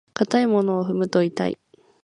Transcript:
硬いものを踏むと痛い。